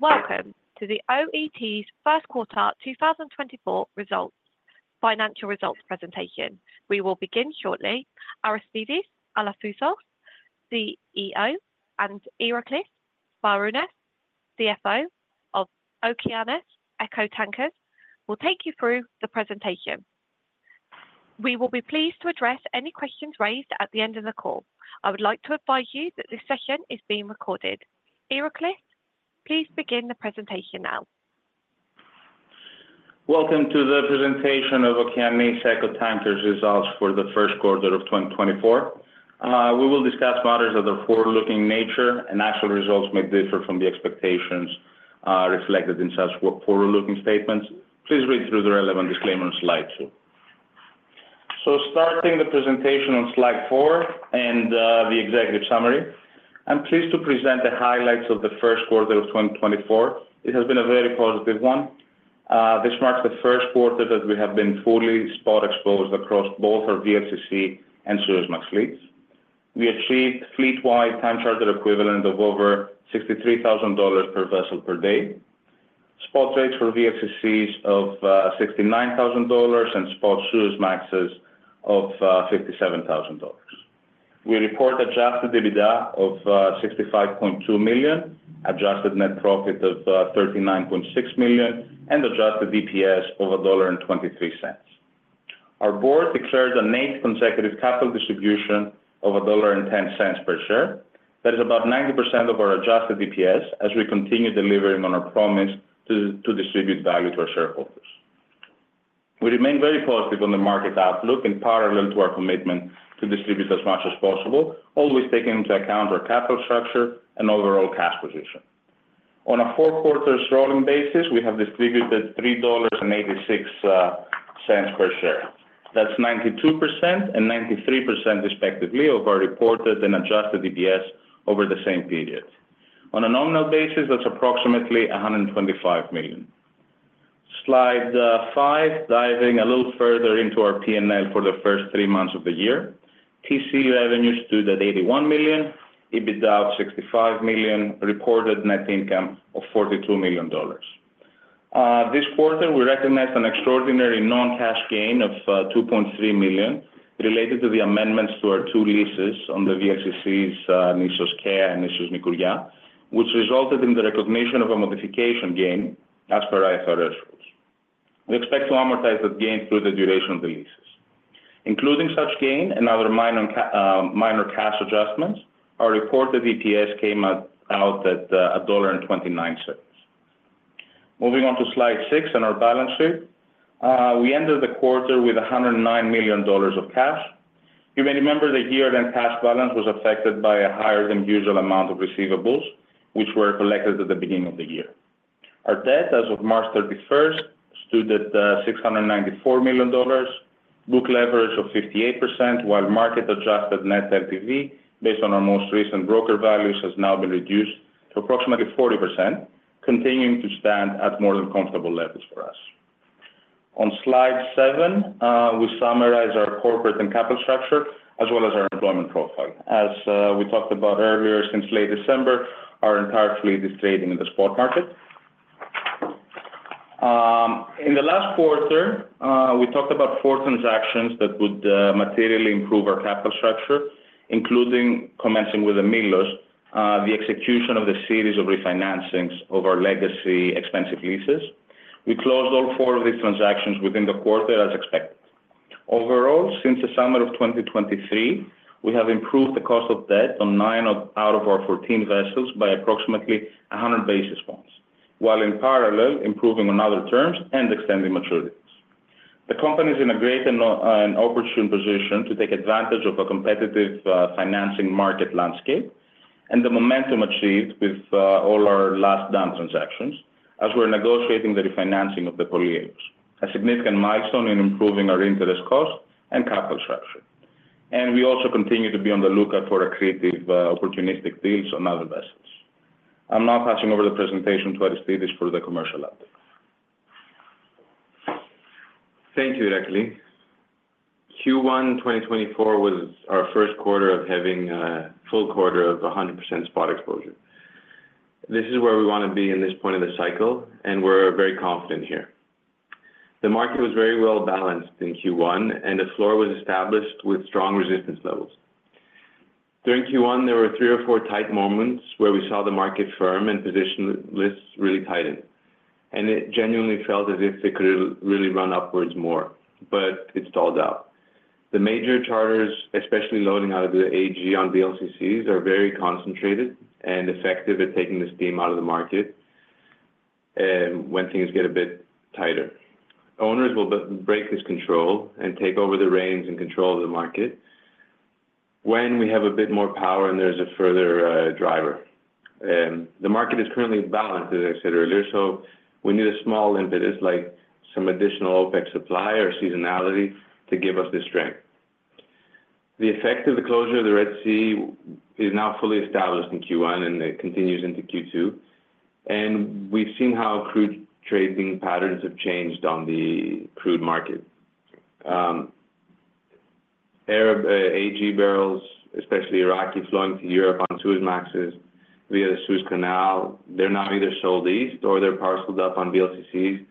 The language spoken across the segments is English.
Welcome to the OET's first quarter 2024 financial results presentation. We will begin shortly. Aristidis Alafouzos, CEO, and Iraklis Sbarounis, CFO of Okeanis Eco Tankers, will take you through the presentation. We will be pleased to address any questions raised at the end of the call. I would like to advise you that this session is being recorded. Iraklis, please begin the presentation now. Welcome to the presentation of Okeanis Eco Tankers results for the first quarter of 2024. We will discuss matters of the forward-looking nature, and actual results may differ from the expectations reflected in such forward-looking statements. Please read through the relevant disclaimer on slide two. Starting the presentation on slide four and the executive summary. I'm pleased to present the highlights of the first quarter of 2024. It has been a very positive one. This marks the first quarter that we have been fully spot exposed across both our VLCC and Suezmax fleets. We achieved fleet-wide time charter equivalent of over $63,000 per vessel per day. Spot rates for VLCC of $69,000 and spot Suezmaxes of $57,000. We report adjusted EBITDA of $65.2 million, adjusted net profit of $39.6 million, and adjusted EPS of $1.23. Our board declares an eighth consecutive capital distribution of $1.10 per share. That is about 90% of our adjusted EPS, as we continue delivering on our promise to distribute value to our shareholders. We remain very positive on the market outlook in parallel to our commitment to distribute as much as possible, always taking into account our capital structure and overall cash position. On a four-quarter rolling basis, we have distributed $3.86 per share. That's 92% and 93% respectively, of our reported and adjusted EPS over the same period. On a nominal basis, that's approximately $125 million. Slide five, diving a little further into our P&L for the first three months of the year. TC revenues stood at $81 million, EBITDA of $65 million, reported net income of $42 million. This quarter, we recognized an extraordinary non-cash gain of $2.3 million related to the amendments to our two leases on the VLCCs, Nissos Kea and Nissos Nikouria, which resulted in the recognition of a modification gain as per IFRS rules. We expect to amortize that gain through the duration of the leases. Including such gain and other minor cash adjustments, our reported EPS came out at $1.29. Moving on to slide six and our balance sheet. We ended the quarter with $109 million of cash. You may remember the year-end cash balance was affected by a higher than usual amount of receivables, which were collected at the beginning of the year. Our debt, as of March 31st, stood at $694 million. Book leverage of 58%, while market-adjusted net NPV, based on our most recent broker values, has now been reduced to approximately 40%, continuing to stand at more than comfortable levels for us. On slide seven, we summarize our corporate and capital structure, as well as our employment profile. As we talked about earlier, since late December, our entire fleet is trading in the spot market. In the last quarter, we talked about four transactions that would materially improve our capital structure, including commencing with the Milos, the execution of the series of refinancings of our legacy expensive leases. We closed all four of these transactions within the quarter, as expected. Overall, since the summer of 2023, we have improved the cost of debt on nine out of our 14 vessels by approximately 100 basis points, while in parallel, improving on other terms and extending maturities. The company is in a great and an opportune position to take advantage of a competitive financing market landscape and the momentum achieved with all our last done transactions as we're negotiating the refinancing of the Poliegos, a significant milestone in improving our interest cost and capital structure. We also continue to be on the lookout for accretive opportunistic deals on other vessels. I'm now passing over the presentation to Aristidis for the commercial update. Thank you, Iraklis. Q1 2024 was our first quarter of having a full quarter of 100% spot exposure. This is where we want to be in this point in the cycle, and we're very confident here. The market was very well balanced in Q1, and the floor was established with strong resistance levels. During Q1, there were three or four tight moments where we saw the market firm and position lists really tighten, and it genuinely felt as if it could really run upwards more, but it stalled out. The major charters, especially loading out of the AG on VLCCs, are very concentrated and effective at taking the steam out of the market when things get a bit tighter. Owners will break this control and take over the reins and control the market when we have a bit more power and there's a further driver. The market is currently balanced, as I said earlier, so we need a small impetus, like some additional OPEC supply or seasonality to give us the strength. The effect of the closure of the Red Sea is now fully established in Q1, and it continues into Q2. And we've seen how crude trading patterns have changed on the crude market. Arab AG barrels, especially Iraqi, flowing to Europe on Suezmaxes via the Suez Canal. They're now either sold east or they're parceled up on VLCCs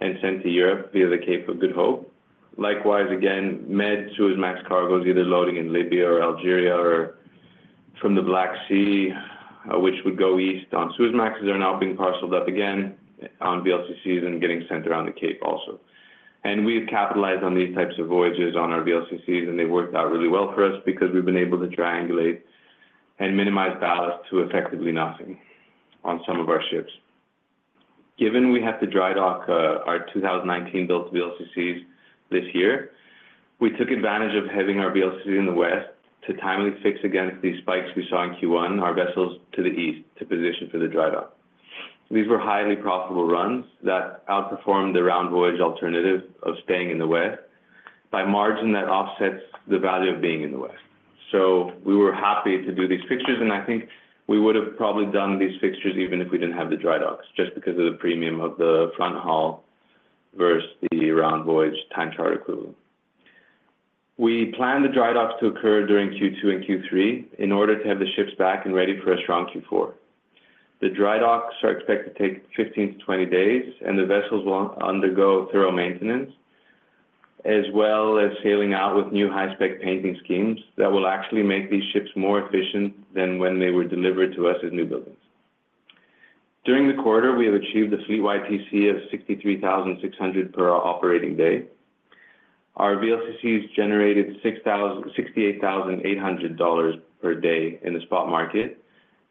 and sent to Europe via the Cape of Good Hope. Likewise, again, Med Suezmax cargo is either loading in Libya or Algeria or from the Black Sea, which would go east on Suezmaxes, are now being parceled up again on VLCCs and getting sent around the Cape also. We've capitalized on these types of voyages on our VLCCs, and they worked out really well for us because we've been able to triangulate and minimize ballast to effectively nothing on some of our ships. Given we have to dry dock our 2019-built VLCCs this year, we took advantage of having our VLCC in the West to timely fix against these spikes we saw in Q1, our vessels to the east, to position for the dry dock. These were highly profitable runs that outperformed the round voyage alternative of staying in the West by a margin that offsets the value of being in the West. So we were happy to do these fixtures, and I think we would have probably done these fixtures even if we didn't have the dry docks, just because of the premium of the front haul versus the round voyage time charter equivalent. We plan the dry docks to occur during Q2 and Q3 in order to have the ships back and ready for a strong Q4. The dry docks are expected to take 15-20 days, and the vessels will undergo thorough maintenance, as well as sailing out with new high-spec painting schemes that will actually make these ships more efficient than when they were delivered to us as new buildings. During the quarter, we have achieved a fleet-wide TC of 63,600 per operating day. Our VLCCs generated $68,800 per day in the spot market,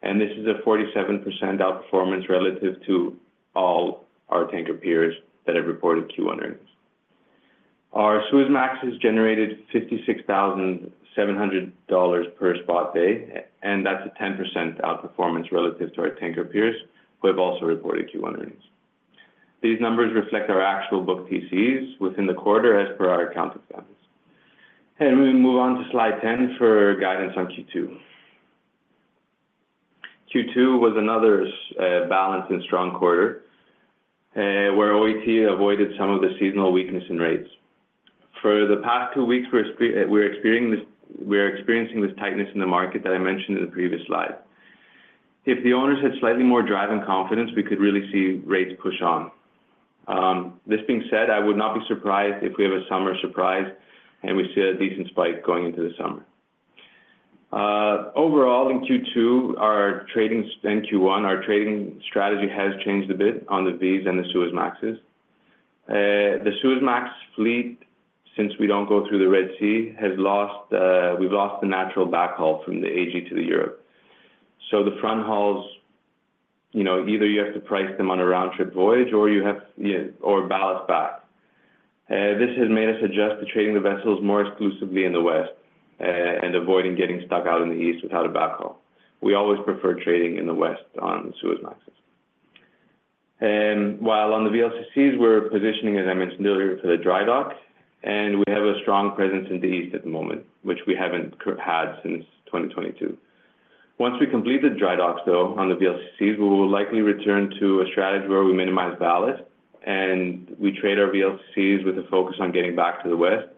and this is a 47% outperformance relative to all our tanker peers that have reported Q1 earnings. Our Suezmax has generated $56,700 per spot day, and that's a 10% outperformance relative to our tanker peers, who have also reported Q1 earnings. These numbers reflect our actual book TCs within the quarter, as per our account statements. We move on to slide 10 for guidance on Q2. Q2 was another balanced and strong quarter, where OET avoided some of the seasonal weakness in rates. For the past two weeks, we're experiencing this tightness in the market that I mentioned in the previous slide. If the owners had slightly more driving confidence, we could really see rates push on. This being said, I would not be surprised if we have a summer surprise, and we see a decent spike going into the summer. Overall, in Q2 and Q1, our trading strategy has changed a bit on the VLCCs and the Suezmaxes. The Suezmax fleet, since we don't go through the Red Sea, has lost, we've lost the natural backhaul from the AG to Europe. So the front hauls, you know, either you have to price them on a round-trip voyage or you have, you know, or ballast back. This has made us adjust to trading the vessels more exclusively in the West and avoiding getting stuck out in the East without a backhaul. We always prefer trading in the West on Suezmaxes. And while on the VLCCs, we're positioning, as I mentioned earlier, to the dry dock, and we have a strong presence in the East at the moment, which we haven't had since 2022. Once we complete the dry docks, though, on the VLCCs, we will likely return to a strategy where we minimize ballast, and we trade our VLCCs with a focus on getting back to the West,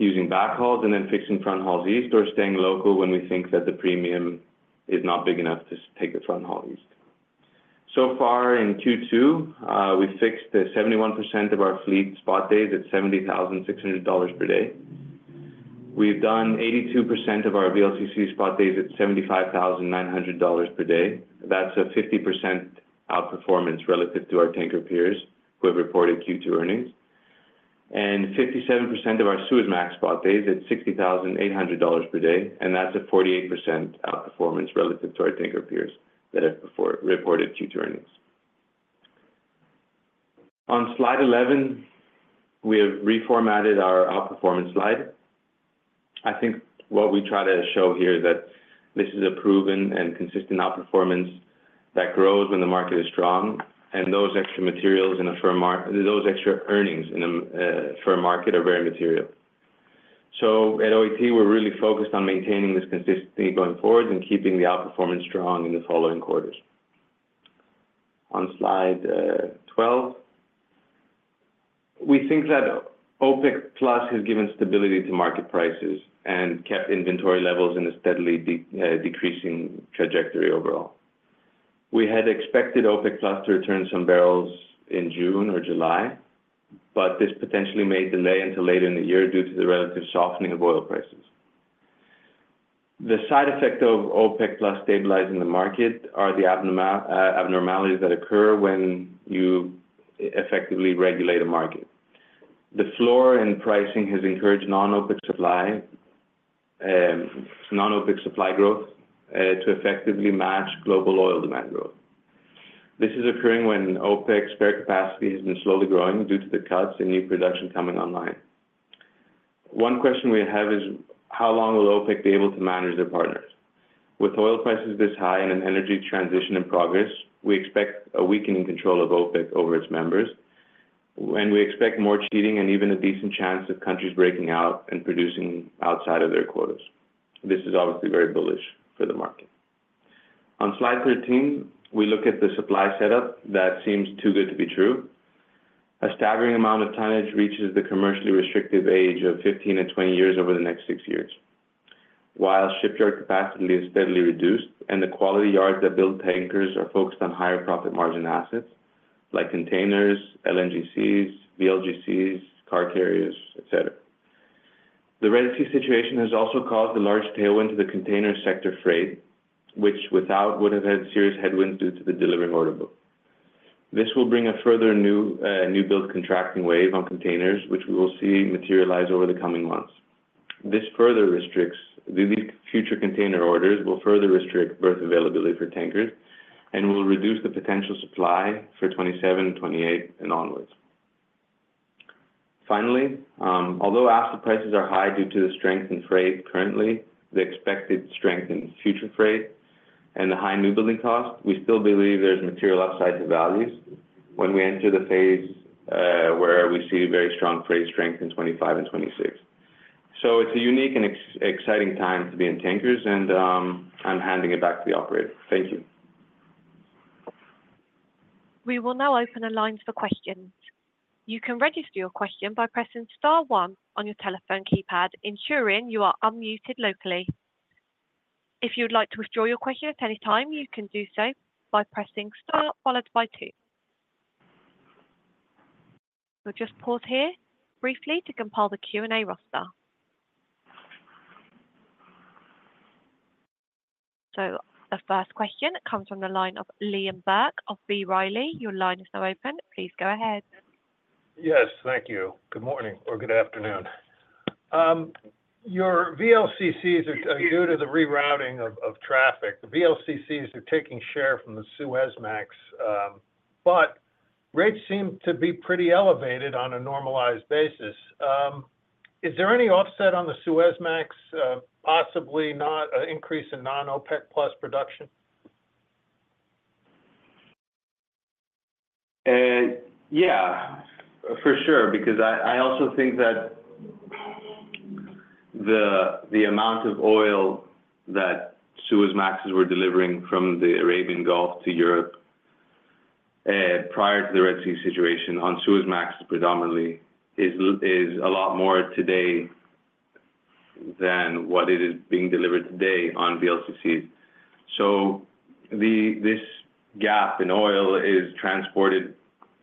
using backhauls and then fixing front hauls east or staying local when we think that the premium is not big enough to take the front haul east. So far in Q2, we fixed 71% of our fleet spot days at $70,600 per day. We've done 82% of our VLCC spot days at $75,900 per day. That's a 50% outperformance relative to our tanker peers who have reported Q2 earnings, and 57% of our Suezmax spot days at $60,800 per day, and that's a 48% outperformance relative to our tanker peers that have before reported Q2 earnings. On slide 11, we have reformatted our outperformance slide. I think what we try to show here is that this is a proven and consistent outperformance that grows when the market is strong, and those extra materials in a firm market are very material. So at OET, we're really focused on maintaining this consistency going forward and keeping the outperformance strong in the following quarters. On slide 12, we think that OPEC Plus has given stability to market prices and kept inventory levels in a steadily decreasing trajectory overall. We had expected OPEC Plus to return some barrels in June or July, but this potentially may delay until later in the year due to the relative softening of oil prices. The side effect of OPEC Plus stabilizing the market are the abnormal abnormalities that occur when you effectively regulate a market. The floor in pricing has encouraged non-OPEC supply non-OPEC supply growth to effectively match global oil demand growth. This is occurring when OPEC's spare capacity has been slowly growing due to the cuts in new production coming online. One question we have is: How long will OPEC be able to manage their partners? With oil prices this high and an energy transition in progress, we expect a weakening control of OPEC over its members, and we expect more cheating and even a decent chance of countries breaking out and producing outside of their quotas. This is obviously very bullish for the market.... On slide 13, we look at the supply setup that seems too good to be true. A staggering amount of tonnage reaches the commercially restrictive age of 15 and 20 years over the next six years. While shipyard capacity is steadily reduced and the quality yards that build tankers are focused on higher profit margin assets like containers, LNGCs, VLGCs, car carriers, et cetera. The Red Sea situation has also caused a large tailwind to the container sector freight, which without would have had serious headwinds due to the delivery order book. This will bring a further new build contracting wave on containers, which we will see materialize over the coming months. These future container orders will further restrict berth availability for tankers and will reduce the potential supply for 27, 28, and onwards. Finally, although asset prices are high due to the strength in freight currently, the expected strength in future freight and the high new building cost, we still believe there's material upside to values when we enter the phase where we see very strong freight strength in 2025 and 2026. So it's a unique and exciting time to be in tankers, and, I'm handing it back to the operator. Thank you. We will now open the lines for questions. You can register your question by pressing star one on your telephone keypad, ensuring you are unmuted locally. If you'd like to withdraw your question at any time, you can do so by pressing star followed by two. We'll just pause here briefly to compile the Q&A roster. The first question comes from the line of Liam Burke of B. Riley. Your line is now open. Please go ahead. Yes, thank you. Good morning or good afternoon. Your VLCCs are due to the rerouting of traffic. The VLCCs are taking share from the Suezmax, but rates seem to be pretty elevated on a normalized basis. Is there any offset on the Suezmax, possibly not, increase in non-OPEC plus production? Yeah, for sure, because I also think that the amount of oil that Suezmaxes were delivering from the Arabian Gulf to Europe prior to the Red Sea situation on Suezmax predominantly is a lot more today than what it is being delivered today on VLCC. So this gap in oil is transported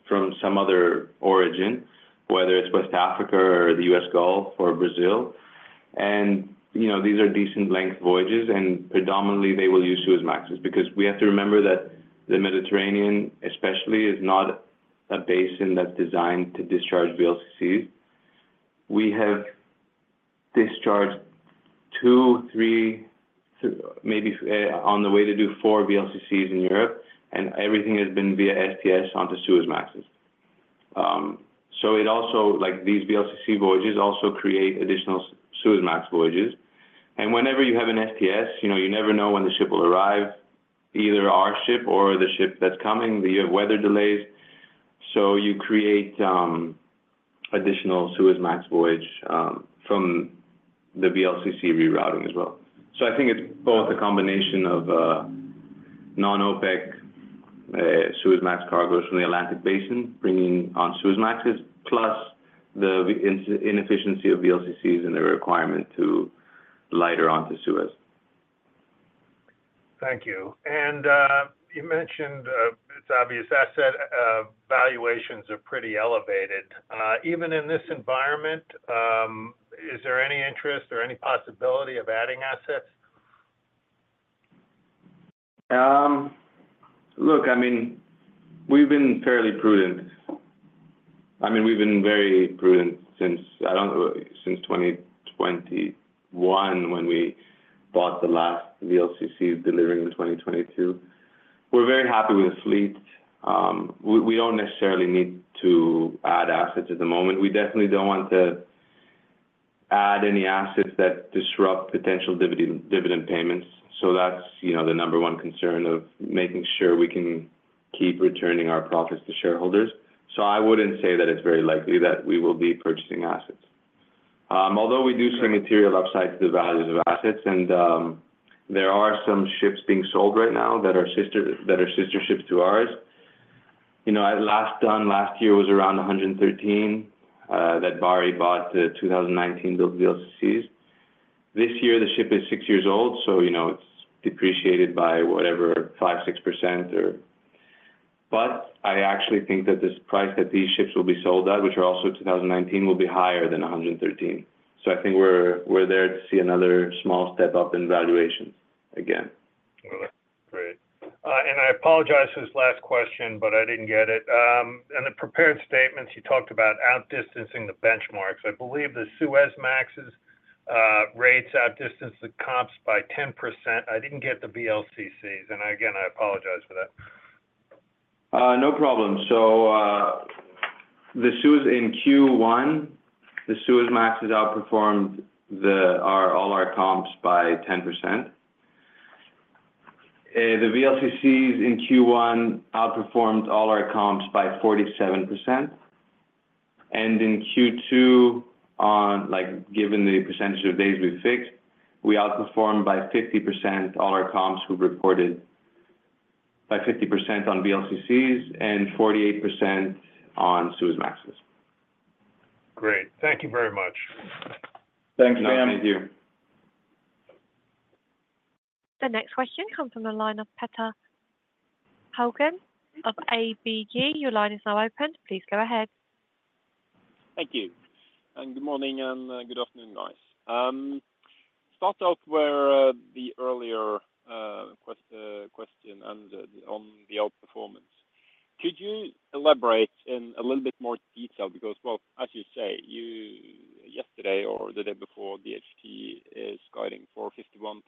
from some other origin, whether it's West Africa or the US Gulf or Brazil. And, you know, these are decent length voyages, and predominantly, they will use Suezmaxes, because we have to remember that the Mediterranean, especially, is not a basin that's designed to discharge VLCCs. We have discharged 2, 3, maybe, on the way to do 4 VLCCs in Europe, and everything has been via STS onto Suezmaxes. So it also, like these VLCC voyages, also create additional Suezmax voyages. And whenever you have an STS, you know, you never know when the ship will arrive, either our ship or the ship that's coming, the weather delays. So you create additional Suezmax voyage from the VLCC rerouting as well. So I think it's both a combination of non-OPEC Suezmax cargoes from the Atlantic Basin, bringing on Suezmaxes, plus the inefficiency of VLCCs and the requirement to lighter onto Suezmax. Thank you. And, you mentioned, it's obvious, asset valuations are pretty elevated. Even in this environment, is there any interest or any possibility of adding assets? Look, I mean, we've been fairly prudent. I mean, we've been very prudent since 2021, when we bought the last VLCC, delivering in 2022. We're very happy with the fleet. We don't necessarily need to add assets at the moment. We definitely don't want to add any assets that disrupt potential dividend payments. So that's, you know, the number one concern of making sure we can keep returning our profits to shareholders. So I wouldn't say that it's very likely that we will be purchasing assets. Although we do see material upside to the values of assets, and there are some ships being sold right now that are sister ships to ours. You know, the last one last year was around 113 that Bahri bought the 2019-built VLCCs. This year, the ship is six years old, so, you know, it's depreciated by whatever, 5%-6% or... But I actually think that this price that these ships will be sold at, which are also 2019, will be higher than 113. So I think we're there to see another small step up in valuations again. Great. I apologize for this last question, but I didn't get it. In the prepared statements, you talked about outdistancing the benchmarks. I believe the Suezmax's rates outdistanced the comps by 10%. I didn't get the VLCCs, and again, I apologize for that. No problem. So, the Suezmax in Q1 has outperformed all our comps by 10%. The VLCCs in Q1 outperformed all our comps by 47%. And in Q2, like, given the percentage of days we fixed, we outperformed by 50% all our comps who reported by 50% on VLCCs and 48% on Suezmaxes. Great. Thank you very much. Thanks, Sam. Thank you. The next question comes from the line of Petter Haugen of ABG. Your line is now open. Please go ahead. Thank you, and good morning and good afternoon, guys. Start out with the earlier question on the outperformance. Could you elaborate in a little bit more detail? Because, well, as you said yesterday or the day before, the DHT is guiding for $51,000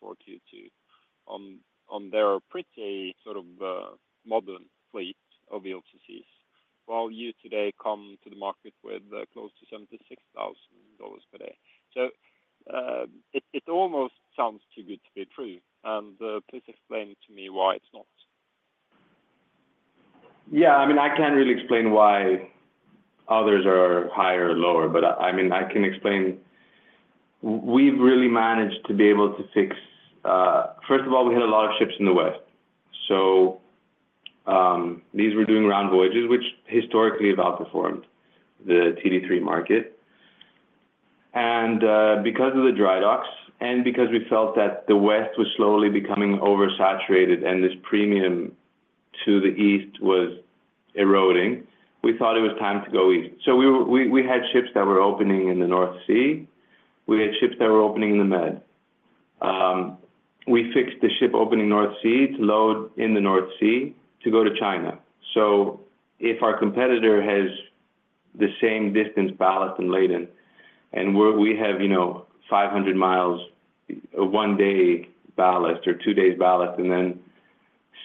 for Q2 on their pretty sort of modern fleet of VLCCs, while you today come to the market with close to $76,000 per day. So, it almost sounds too good to be true. And please explain to me why it's not. Yeah, I mean, I can't really explain why others are higher or lower, but I mean, I can explain, we've really managed to be able to fix. First of all, we had a lot of ships in the West. So these were doing round voyages, which historically have outperformed the TD3 market. And because of the dry docks and because we felt that the West was slowly becoming oversaturated and this premium to the East was eroding, we thought it was time to go east. So we had ships that were opening in the North Sea. We had ships that were opening in the Med. We fixed the ship opening North Sea to load in the North Sea to go to China. So if our competitor has the same distance ballast and laden, and we have, you know, 500 miles, a one-day ballast or two days ballast, and then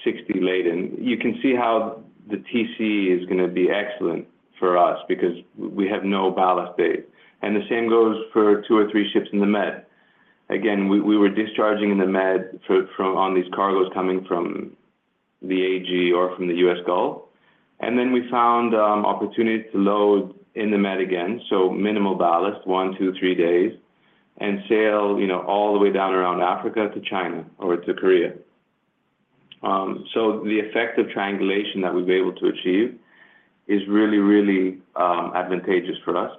60 laden, you can see how the TC is going to be excellent for us because we have no ballast days. And the same goes for two or three ships in the Med. Again, we were discharging in the Med from these cargos coming from the AG or from the U.S. Gulf, and then we found opportunities to load in the Med again. So minimal ballast, one, two, three days, and sail, you know, all the way down around Africa to China or to Korea. So the effect of triangulation that we've been able to achieve is really, really advantageous for us.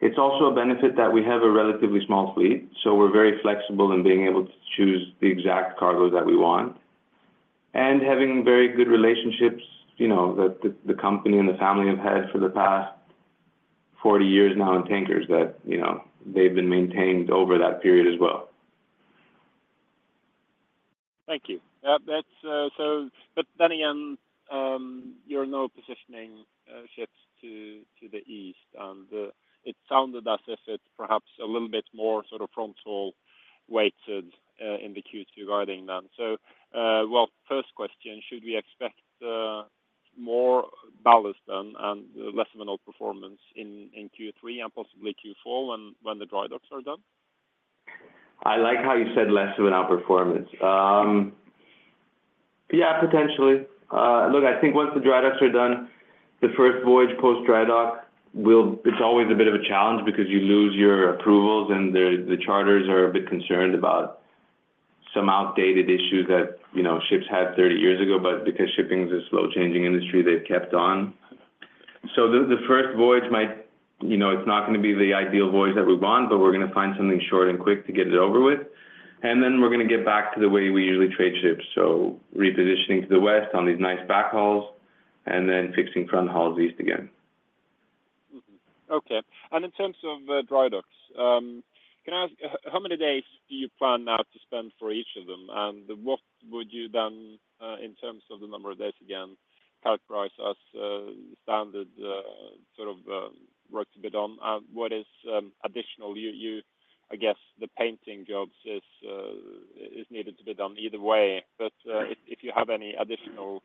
It's also a benefit that we have a relatively small fleet, so we're very flexible in being able to choose the exact cargo that we want and having very good relationships, you know, that the company and the family have had for the past 40 years now in tankers that, you know, they've been maintained over that period as well. Thank you. That's so... But then again, you're now positioning ships to the east, and it sounded as if it's perhaps a little bit more sort of front-loaded in the Q2 guidance then. So, well, first question, should we expect more ballast then and less of an outperformance in Q3 and possibly Q4 when the dry docks are done? I like how you said less of an outperformance. Yeah, potentially. Look, I think once the dry docks are done, the first voyage post dry dock will—it's always a bit of a challenge because you lose your approvals, and the charters are a bit concerned about some outdated issue that, you know, ships had 30 years ago, but because shipping is a slow-changing industry, they've kept on. So the first voyage might, you know, it's not going to be the ideal voyage that we want, but we're going to find something short and quick to get it over with, and then we're going to get back to the way we usually trade ships. So repositioning to the west on these nice backhauls and then fixing front hauls east again. Mm-hmm. Okay. And in terms of dry docks, can I ask how many days do you plan now to spend for each of them? And what would you then in terms of the number of days, again, characterize as a standard sort of work to be done? And what is additional? I guess the painting jobs is needed to be done either way. But if you have any additional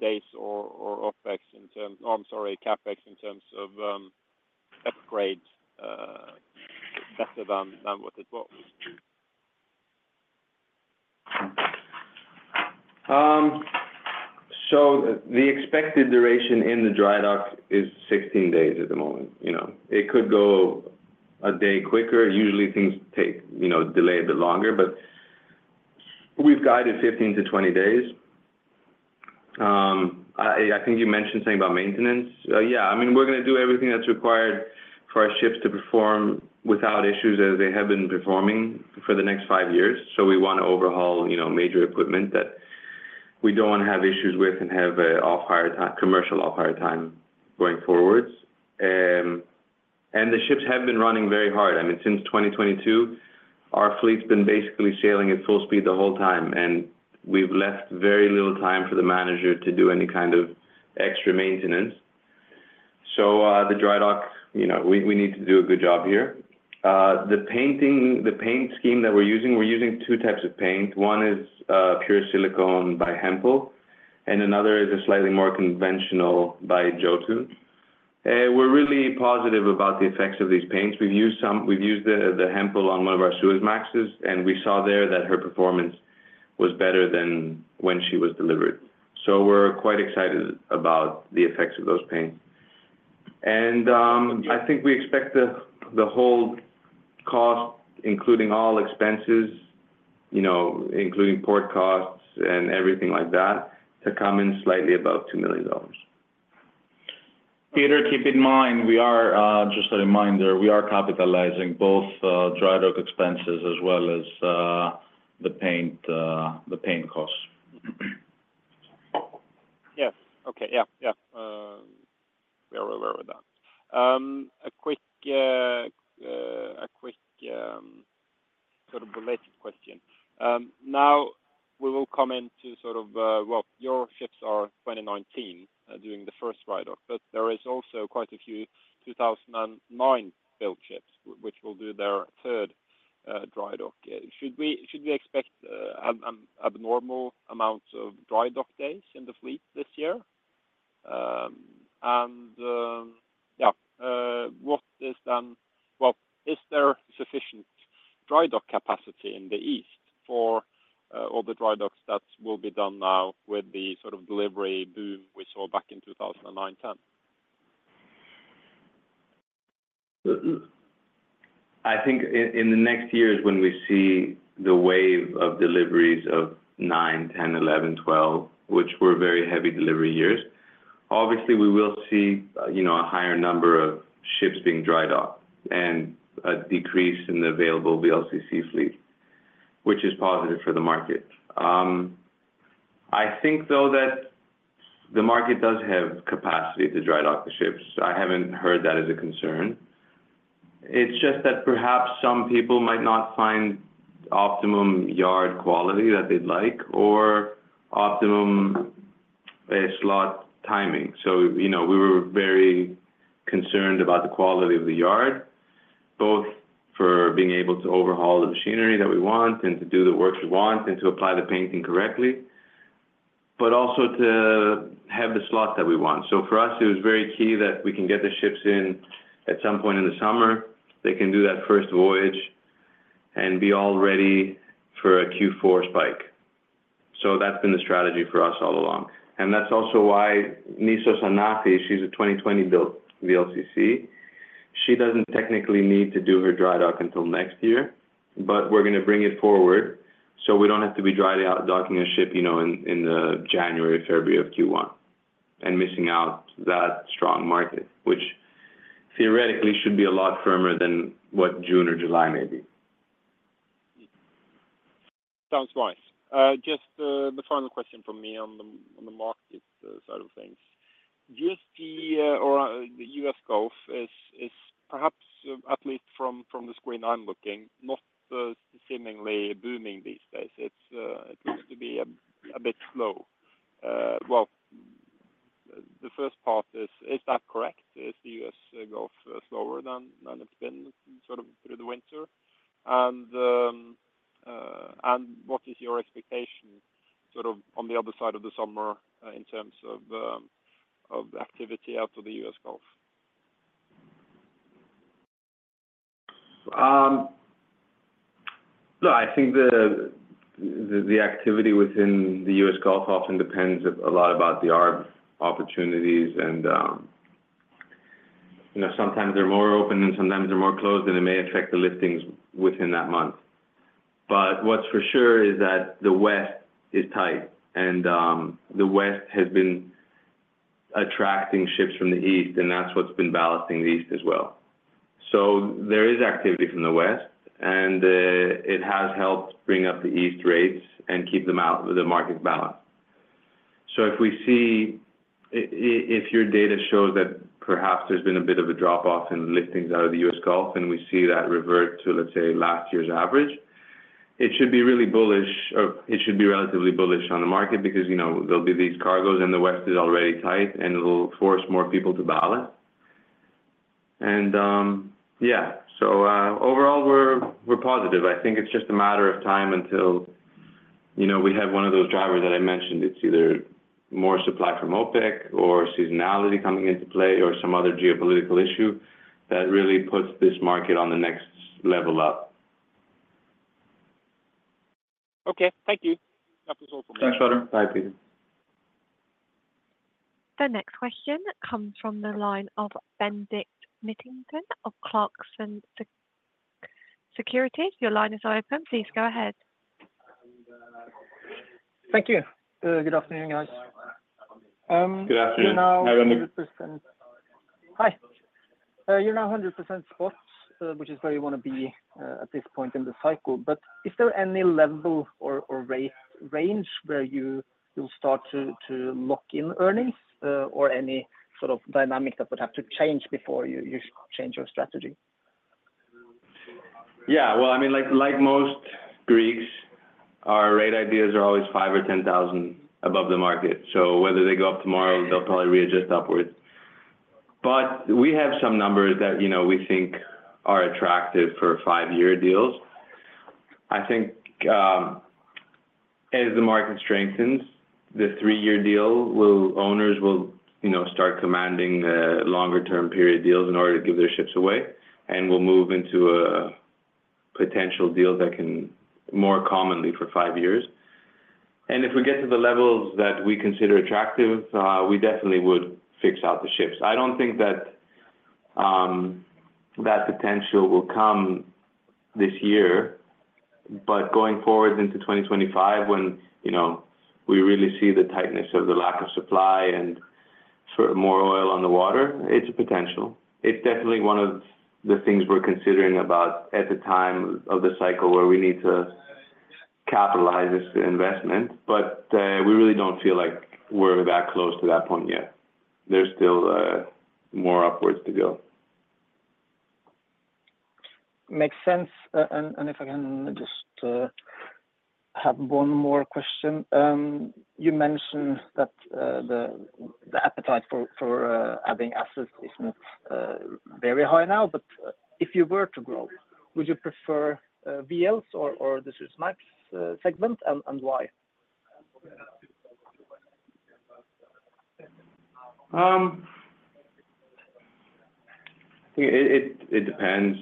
days or OpEx in terms—oh, I'm sorry, CapEx in terms of upgrades better than what it was? So the expected duration in the dry dock is 16 days at the moment. You know, it could go a day quicker. Usually, things take, you know, delay a bit longer, but we've guided 15-20 days. I think you mentioned something about maintenance. Yeah, I mean, we're going to do everything that's required for our ships to perform without issues as they have been performing for the next five years. So we want to overhaul, you know, major equipment that we don't want to have issues with and have off-hire time, commercial off-hire time going forwards. And the ships have been running very hard. I mean, since 2022, our fleet's been basically sailing at full speed the whole time, and we've left very little time for the manager to do any kind of extra maintenance. So, the dry dock, you know, we need to do a good job here. The painting, the paint scheme that we're using, we're using two types of paint. One is pure silicone by Hempel, and another is a slightly more conventional by Jotun. We're really positive about the effects of these paints. We've used the Hempel on one of our Suezmaxes, and we saw there that her performance was better than when she was delivered. So we're quite excited about the effects of those paints. And, I think we expect the whole cost, including all expenses, you know, including port costs and everything like that, to come in slightly above $2 million. Peter, keep in mind, we are just a reminder, we are capitalizing both dry dock expenses as well as the paint, the paint costs. Yes. Okay. Yeah, yeah. We are aware with that. A quick sort of related question. Now we will come into sort of, well, your ships are 2019, doing the first dry dock, but there is also quite a few 2009-built ships, which will do their third dry dock. Should we expect abnormal amounts of dry dock days in the fleet this year? And, yeah, what is then—Well, is there sufficient dry dock capacity in the east for all the dry docks that will be done now with the sort of delivery boom we saw back in 2009-10? I think in the next years, when we see the wave of deliveries of 2009, 2010, 2011, 2012, which were very heavy delivery years, obviously, we will see, you know, a higher number of ships being drydocked and a decrease in the available VLCC fleet, which is positive for the market. I think, though, that the market does have capacity to dry dock the ships. I haven't heard that as a concern. It's just that perhaps some people might not find optimum yard quality that they'd like or optimum slot timing. So, you know, we were very concerned about the quality of the yard, both for being able to overhaul the machinery that we want and to do the work we want and to apply the painting correctly, but also to have the slots that we want. So for us, it was very key that we can get the ships in at some point in the summer, they can do that first voyage and be all ready for a Q4 spike. So that's been the strategy for us all along. And that's also why Nissos Anafi, she's a 2020-built VLCC. She doesn't technically need to do her dry dock until next year, but we're going to bring it forward, so we don't have to be dry docking a ship, you know, in the January, February of Q1, and missing out that strong market, which theoretically should be a lot firmer than what June or July may be. Sounds wise. Just the final question from me on the market side of things. USG or the US Gulf is perhaps, at least from the screen I'm looking, not seemingly booming these days. It's- Mm-hmm. It seems to be a bit slow. Well, the first part is that correct? Is the US Gulf slower than it's been sort of through the winter? And what is your expectation, sort of, on the other side of the summer, in terms of activity out to the US Gulf? So I think the activity within the US Gulf often depends a lot about the ARB opportunities, and, you know, sometimes they're more open, and sometimes they're more closed, and it may affect the liftings within that month. But what's for sure is that the West is tight, and, the West has been attracting ships from the East, and that's what's been balancing the East as well. So there is activity from the West, and, it has helped bring up the East rates and keep them out with the market balance. So if we see... If your data shows that perhaps there's been a bit of a drop off in liftings out of the U.S. Gulf, and we see that revert to, let's say, last year's average, it should be really bullish, or it should be relatively bullish on the market because, you know, there'll be these cargos, and the West is already tight, and it will force more people to ballast. Yeah, so overall, we're positive. I think it's just a matter of time until, you know, we have one of those drivers that I mentioned. It's either more supply from OPEC or seasonality coming into play or some other geopolitical issue that really puts this market on the next level up. Okay, thank you. That was all for me. Thanks, brother. Bye, Peter. The next question comes from the line of Bendik Nyttingnes of Clarksons Securities. Your line is open. Please go ahead. Thank you. Good afternoon, guys. Good afternoon. You're now 100%- Hi. You're now 100% spots, which is where you want to be, at this point in the cycle. But is there any level or range where you'll start to lock in earnings, or any sort of dynamic that would have to change before you change your strategy? Yeah, well, I mean, like, like most Greeks, our rate ideas are always five or 10,000 above the market, so whether they go up tomorrow, they'll probably readjust upwards. But we have some numbers that, you know, we think are attractive for 5-year deals. I think, as the market strengthens the three-year deal will, owners will, you know, start commanding longer term period deals in order to give their ships away, and we'll move into a potential deal that can more commonly for five years. And if we get to the levels that we consider attractive, we definitely would fix out the ships. I don't think that that potential will come this year, but going forward into 2025, when, you know, we really see the tightness of the lack of supply and sort of more oil on the water, it's a potential. It's definitely one of the things we're considering about at the time of the cycle where we need to capitalize this investment, but, we really don't feel like we're that close to that point yet. There's still, more upwards to go. Makes sense. And if I can just have one more question. You mentioned that the appetite for adding assets is not very high now, but if you were to grow, would you prefer VLs or the Suezmax segment, and why? It depends.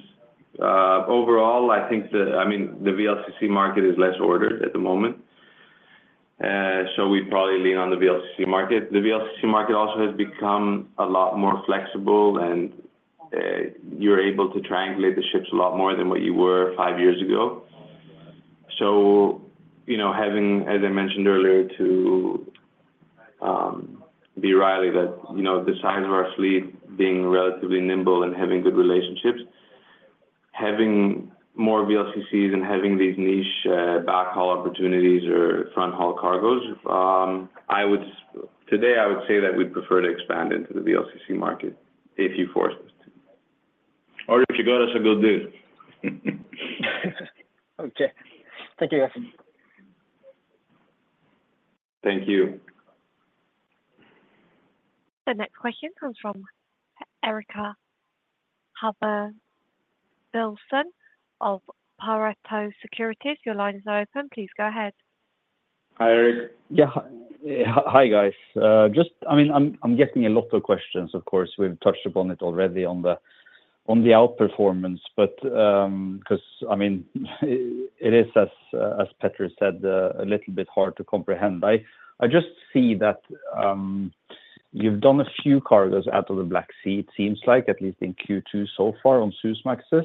Overall, I think—I mean, the VLCC market is less ordered at the moment, so we'd probably lean on the VLCC market. The VLCC market also has become a lot more flexible, and you're able to triangulate the ships a lot more than what you were five years ago. So, you know, having, as I mentioned earlier, to B. Riley that, you know, the size of our fleet being relatively nimble and having good relationships, having more VLCCs and having these niche backhaul opportunities or front-haul cargos, I would say today I would say that we'd prefer to expand into the VLCC market, if you forced us to, or if you got us a good deal. Okay. Thank you, guys. Thank you. The next question comes from Eirik Haavaldsen of Pareto Securities. Your line is now open. Please go ahead. Hi, Eric. Yeah. Hi, guys. Just, I mean, I'm getting a lot of questions, of course, we've touched upon it already on the outperformance, but 'cause, I mean, it is, as Peter said, a little bit hard to comprehend. I just see that you've done a few cargoes out of the Black Sea, it seems like, at least in Q2 so far on Suezmaxes.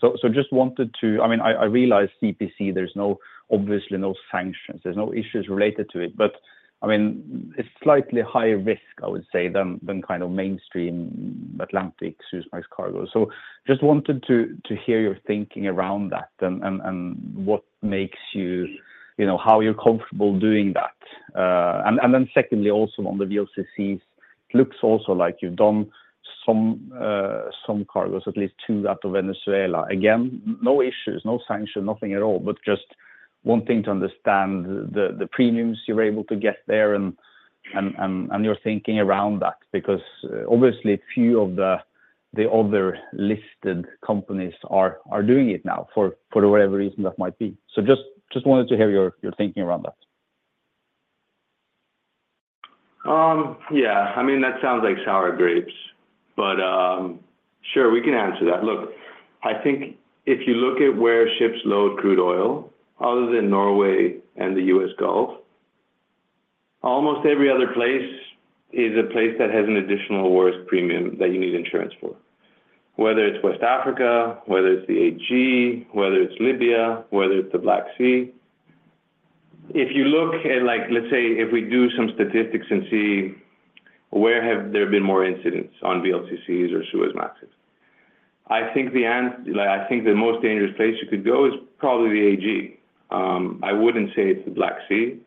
So just wanted to... I mean, I realize CPC, there's no, obviously no sanctions, there's no issues related to it, but, I mean, it's slightly higher risk, I would say, than kind of mainstream Atlantic Suezmax cargo. So just wanted to hear your thinking around that and what makes you, you know, how you're comfortable doing that? And then secondly, also on the VLCCs, looks like you've done some cargoes, at least two out of Venezuela. Again, no issues, no sanctions, nothing at all, but just wanting to understand the premiums you're able to get there and your thinking around that, because obviously, few of the other listed companies are doing it now for whatever reason that might be. So just wanted to hear your thinking around that. Yeah, I mean, that sounds like sour grapes, but sure, we can answer that. Look, I think if you look at where ships load crude oil, other than Norway and the U.S. Gulf, almost every other place is a place that has an additional worst premium that you need insurance for, whether it's West Africa, whether it's the AG, whether it's the Black Sea. If you look at, like, let's say, if we do some statistics and see where have there been more incidents on VLCCs or Suezmaxes, I think, like, I think the most dangerous place you could go is probably the AG. I wouldn't say it's the Black Sea.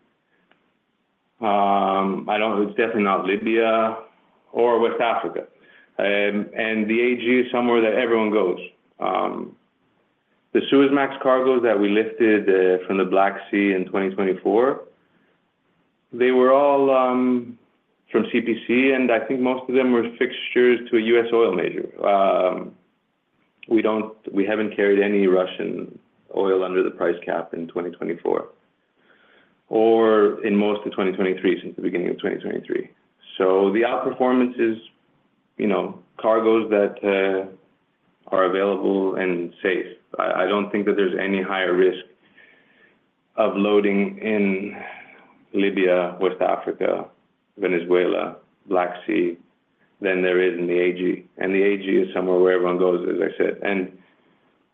I don't... It's definitely not Libya or West Africa. And the AG is somewhere that everyone goes. The Suezmax cargo that we lifted from the Black Sea in 2024, they were all from CPC, and I think most of them were fixtures to a U.S. oil major. We don't, we haven't carried any Russian oil under the price cap in 2024, or in most of 2023, since the beginning of 2023. So the outperformance is, you know, cargoes that are available and safe. I don't think that there's any higher risk of loading in Libya, West Africa, Venezuela, Black Sea, than there is in the AG, and the AG is somewhere where everyone goes, as I said.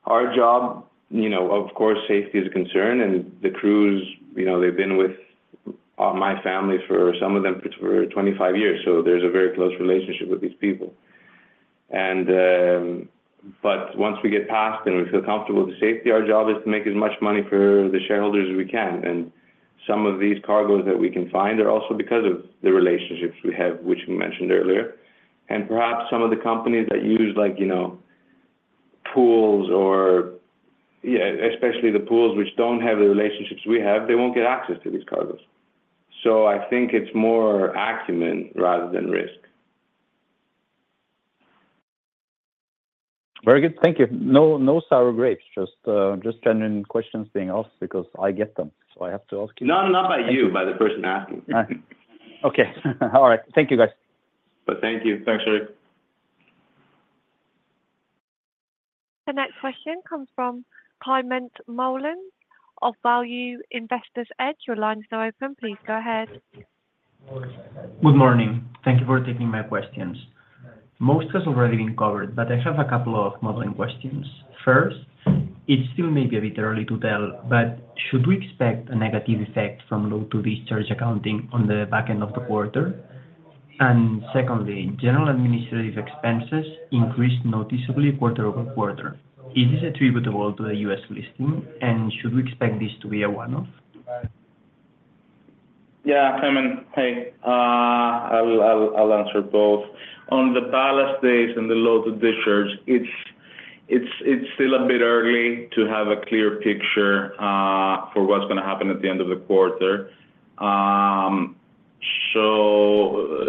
Our job, you know, of course, safety is a concern, and the crews, you know, they've been with my family for some of them for 25 years, so there's a very close relationship with these people. But once we get past and we feel comfortable with the safety, our job is to make as much money for the shareholders as we can. And some of these cargoes that we can find are also because of the relationships we have, which we mentioned earlier. And perhaps some of the companies that use, like, you know, pools or, yeah, especially the pools which don't have the relationships we have, they won't get access to these cargoes. So I think it's more acumen rather than risk.... Very good, thank you. No, no sour grapes, just, just general questions being asked because I get them, so I have to ask you. No, not by you, by the person asking. Okay. All right. Thank you, guys. Thank you. Thanks, Eric. The next question comes from Climent Molins of Value Investors Edge. Your line is now open. Please go ahead. Good morning. Thank you for taking my questions. Most has already been covered, but I have a couple of modeling questions. First, it's still maybe a bit early to tell, but should we expect a negative effect from load to discharge accounting on the back end of the quarter? And secondly, general and administrative expenses increased noticeably quarter-over-quarter. Is this attributable to the U.S. listing, and should we expect this to be a one-off? Yeah, Clement, hey, I will, I'll answer both. On the ballast days and the load to discharge, it's still a bit early to have a clear picture for what's gonna happen at the end of the quarter. So,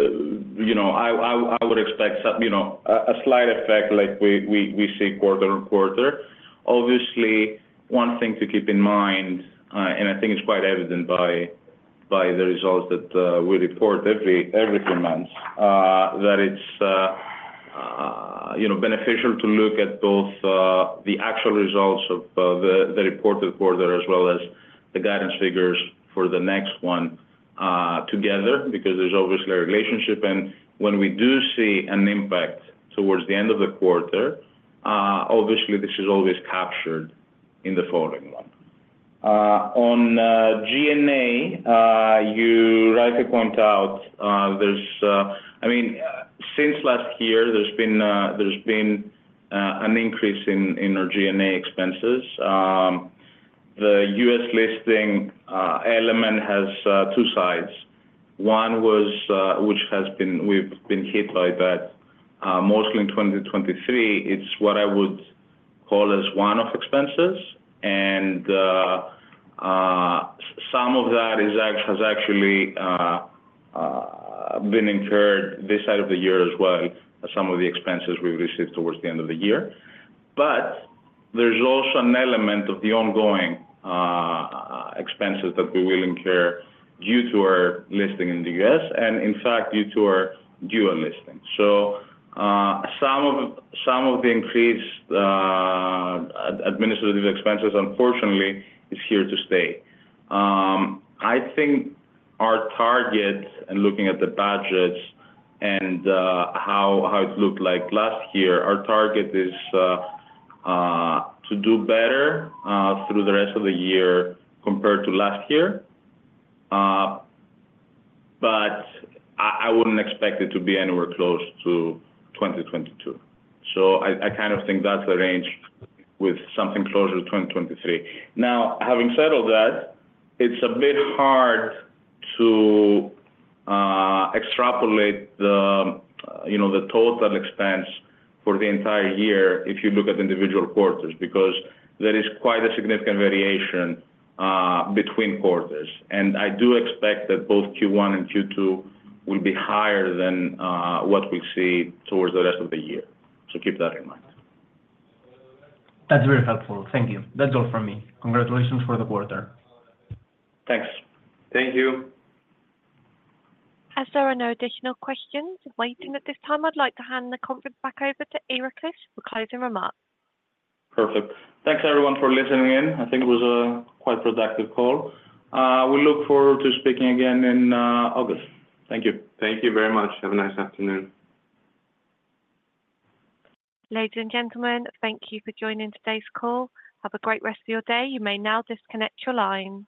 you know, I would expect some, you know, a slight effect like we see quarter-on-quarter. Obviously, one thing to keep in mind, and I think it's quite evident by the results that we report every two months, that it's, you know, beneficial to look at both the actual results of the reported quarter as well as the guidance figures for the next one together, because there's obviously a relationship. When we do see an impact towards the end of the quarter, obviously, this is always captured in the following one. On GNA, you rightly point out, there's... I mean, since last year, there's been an increase in our GNA expenses. The U.S. listing element has two sides. One was, which has been, we've been hit by that, mostly in 2023, it's what I would call as one-off expenses, and some of that has actually been incurred this side of the year as well as some of the expenses we've received towards the end of the year. But there's also an element of the ongoing expenses that we will incur due to our listing in the US, and in fact, due to our dual listing. So, some of the increased administrative expenses, unfortunately, is here to stay. I think our target in looking at the budgets and how it looked like last year, our target is to do better through the rest of the year compared to last year. But I wouldn't expect it to be anywhere close to 2022. So I kind of think that's the range with something closer to 2023. Now, having said all that, it's a bit hard to extrapolate the, you know, the total expense for the entire year if you look at individual quarters, because there is quite a significant variation between quarters. I do expect that both Q1 and Q2 will be higher than what we see towards the rest of the year. Keep that in mind. That's very helpful. Thank you. That's all from me. Congratulations for the quarter. Thanks. Thank you. As there are no additional questions waiting at this time, I'd like to hand the conference back over to Iraklis for closing remarks. Perfect. Thanks, everyone, for listening in. I think it was a quite productive call. We look forward to speaking again in August. Thank you. Thank you very much. Have a nice afternoon. Ladies and gentlemen, thank you for joining today's call. Have a great rest of your day. You may now disconnect your lines.